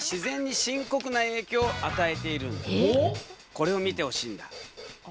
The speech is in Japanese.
これを見てほしいんだ。